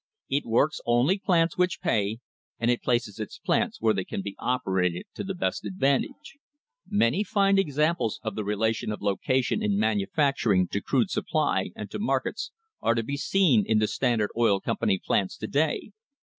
It works only plants which pay, and it places its plants where they can be operated to the best advantage. Many fine examples of the THE LEGITIMATE GREATNESS OF THE COMPANY relation of location in manufacturing to crude supply and to markets are to be seen in the Standard Oil Company plants to day.